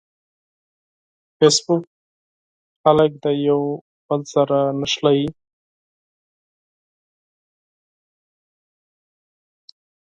فېسبوک خلک د یوه بل سره نښلوي.